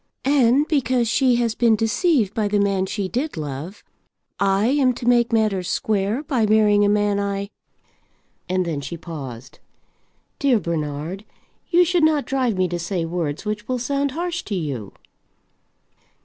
"And because she has been deceived by the man she did love, I am to make matters square by marrying a man I " and then she paused. "Dear Bernard, you should not drive me to say words which will sound harsh to you."